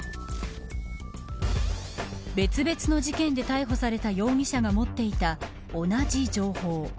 別々の事件で逮捕された容疑者が持っていた同じ情報。